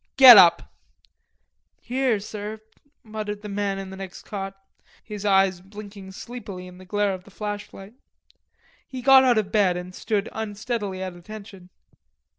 "Get up." "Here, sir," muttered the man in the next cot, his eyes blinking sleepily in the glare of the flashlight. He got out of bed and stood unsteadily at attention.